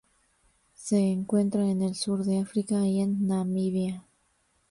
Se encuentra en el sur de África y en Namibia.